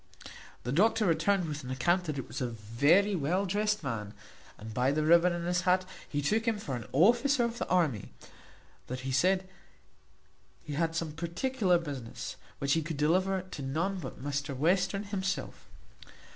The doctor returned with an account that it was a very well drest man, and by the ribbon in his hat he took him for an officer of the army; that he said he had some particular business, which he could deliver to none but Mr Western himself.